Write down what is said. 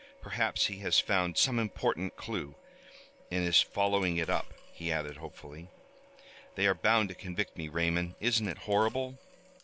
"Perhaps he has found some important clew and is following it up," he added hopefully. "They are bound to convict me, Raymond! Isn't it horrible?"